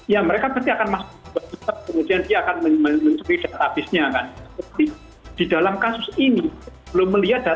ya mereka pasti akan masuk ke buah desktop kemudian dia akan mencuri data abisnya kan